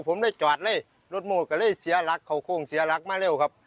ผมได้จอดเลยรถโม่ก็เลยเสียหลักเขาโค้งเสียหลักมาเร็วครับ